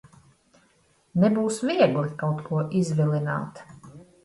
Nebūs viegli kaut ko izvilināt.